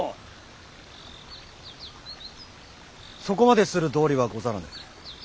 そこまでする道理はござらぬ。